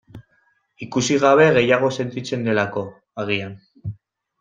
Ikusi gabe gehiago sentitzen delako, agian.